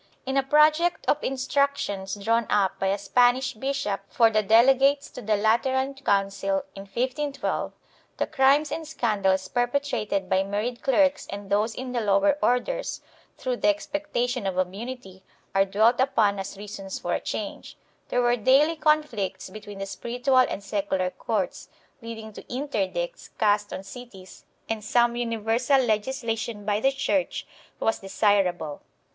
In a project of instructions drawn up by a Spanish bishop for the delegates to the Later an Council in 1512, the crimes and scandals perpetrated by married clerks and those in the lower orders, through expectation of immunity, are dwelt upon as reasons for a change; there were daily conflicts between the spir itual and secular courts, leading to interdicts cast on cities, and some universal legislation by the Church was desirable.